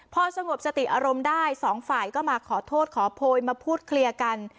พอสงบสติอารมณ์ได้สองฝ่ายก็มาขอโทษขอโพยมาพูดเคลียร์กัน